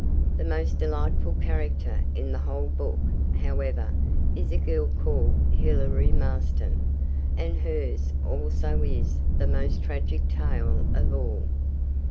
The most delightful character in the whole book, however, is a girl called Hilary Marston, and hers also is the most tragic tale of all.